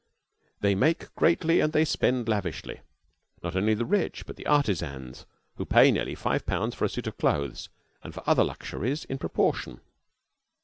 They make greatly and they spend lavishly; not only the rich, but the artisans, who pay nearly five pounds for a suit of clothes, and for other luxuries in proportion.